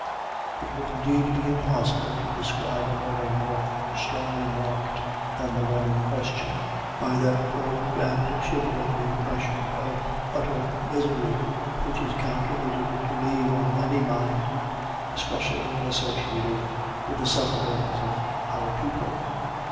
It would, indeed, be impossible to describe a morning more strongly marked than the one in question, by that cold and shivering impression of utter misery which it is calculated to leave on any mind, especially when associated with the sufferings of our people.